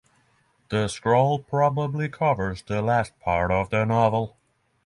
The scroll probably covers the last part of the novel.